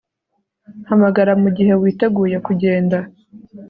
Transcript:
Hamagara mugihe witeguye kugenda